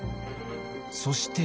そして。